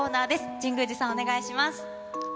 神宮寺さん、お願いします。